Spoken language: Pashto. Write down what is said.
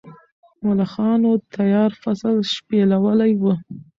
ملخانو تیار فصل شپېلولی و.